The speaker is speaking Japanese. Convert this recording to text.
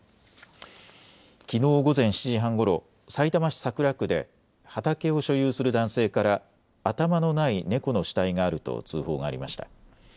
きのう午前７時半ごろさいたま市桜区で畑を所有する男性から頭のない猫の死体があると通報がありました。